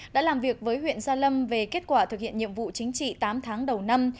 đã làm việc với huyện gia lâm về kết quả thực hiện nhiệm vụ chính trị tám tháng đầu năm